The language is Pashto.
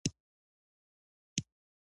سلامونه نيکي هيلي مي ومنئ